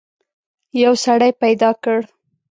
یو سړی پیدا کړ.